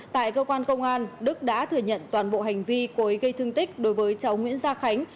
tại cơ quan công an đức đã thừa nhận toàn bộ hành vi cố ý gây thương tích đối với cháu nguyễn gia khánh